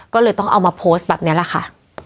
ก็เลยต้องเอามาโพสต์แบบนี้แหละค่ะ